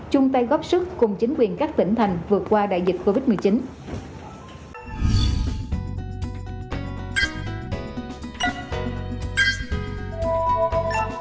chung tay góp sức cùng chính quyền các tỉnh thành vượt qua đại dịch covid một mươi chín